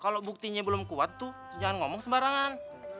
kalau buktinya belum kuat tuh jangan ngomong sembarangan